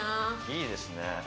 いいですね。